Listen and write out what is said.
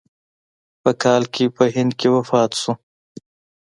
په کال کې په هند کې وفات شو.